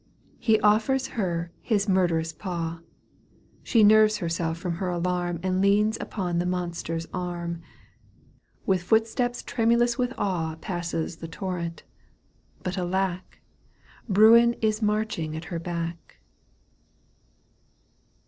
He offers her his murderous paw ; j She nerves herself from her alarm ' And leans upon the monster's arm. With footsteps tremulous with awe Passes the torrent But alack ! Bruin is marching at her back